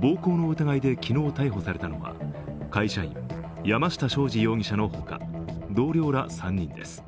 暴行の疑いで昨日逮捕されたのは会社員、山下昌司容疑者のほか、同僚ら３人です。